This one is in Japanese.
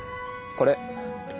これ。